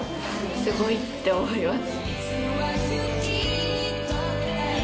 すごいって思います。